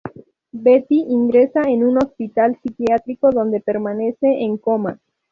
Betty ingresa en un hospital psiquiátrico, donde permanece en coma.